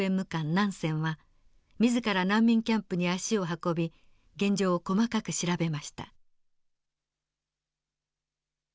ナンセンは自ら難民キャンプに足を運び現状を細かく調べました。